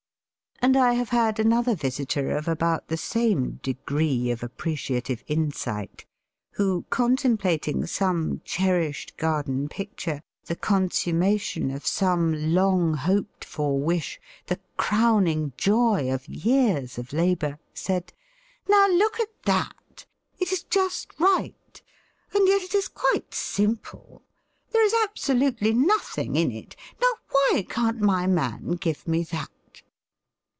And I have had another visitor of about the same degree of appreciative insight, who, contemplating some cherished garden picture, the consummation of some long hoped for wish, the crowning joy of years of labour, said, "Now look at that; it is just right, and yet it is quite simple there is absolutely nothing in it; now, why can't my man give me that?"